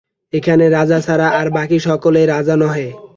এখানে রাজা ছাড়া আর বাকি সকলেই রাজা নহে।